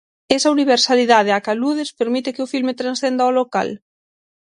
Esa universalidade á que aludes permite que o filme transcenda o local?